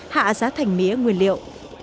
hạ giá thành mía nguyên liệu